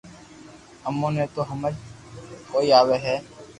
امو ني تو ھمج ڪوئي آوي ھي